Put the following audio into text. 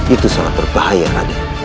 itu sangat berbahaya raden